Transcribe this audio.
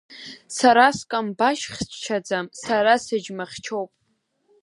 Сара скамбашьхьчаӡам, сара сыџьмахьчоуп!